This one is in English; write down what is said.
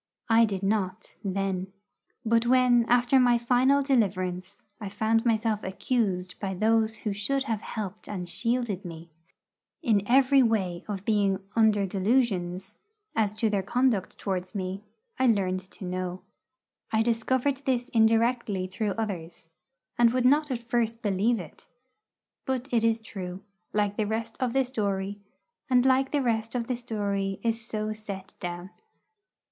I did not, then. But when, after my final deliverance, I found myself accused by those who should have helped and shielded me in every way of being 'under delusions' as to their conduct towards me, I learned to know. I discovered this indirectly through others, and would not at first believe it. But it is true, like the rest of the story, and like the rest of the story is so set down.